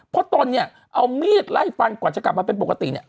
เพราะตนเนี่ยเอามีดไล่ฟันก่อนจะกลับมาเป็นปกติเนี่ย